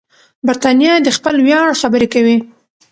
برتانیه د خپل ویاړ خبرې کوي.